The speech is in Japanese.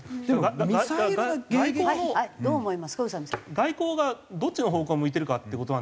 外交がどっちの方向を向いてるかって事なんですけど。